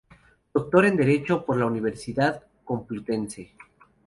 Doctor en Derecho por la Universidad Complutense.